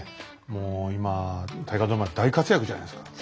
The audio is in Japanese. もう今大河ドラマで大活躍じゃないですか。